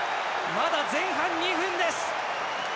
まだ前半２分です！